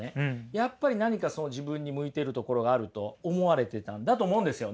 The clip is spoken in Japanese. やっぱり何か自分に向いてるところがあると思われてたんだと思うんですよね。